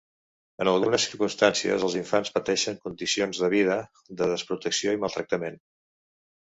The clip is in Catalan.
En algunes circumstàncies els infants pateixen condicions de vida de desprotecció i maltractament.